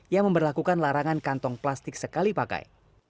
yang memperlakukan larangan kantong plastik sekali pakai